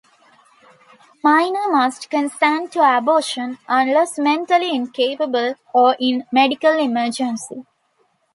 Minor must consent to abortion unless mentally incapable or in medical emergency.